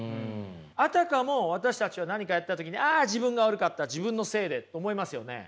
あたかも私たちは何かやった時にああ自分が悪かった自分のせいでって思いますよね。